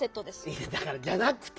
いやだからじゃなくて！